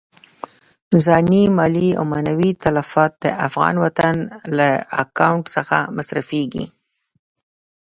ځاني، مالي او معنوي تلفات د افغان وطن له اکاونټ څخه مصرفېږي.